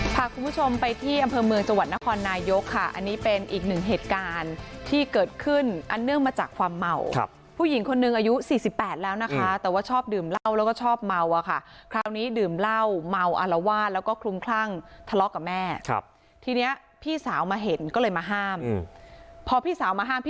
พาคุณผู้ชมไปที่อำเภอเมืองจังหวัดนครนายกค่ะอันนี้เป็นอีกหนึ่งเหตุการณ์ที่เกิดขึ้นอันเนื่องมาจากความเมาผู้หญิงคนหนึ่งอายุสี่สิบแปดแล้วนะคะแต่ว่าชอบดื่มเหล้าแล้วก็ชอบเมาอะค่ะคราวนี้ดื่มเหล้าเมาอารวาสแล้วก็คลุมคลั่งทะเลาะกับแม่ครับทีนี้พี่สาวมาเห็นก็เลยมาห้ามพอพี่สาวมาห้ามพี่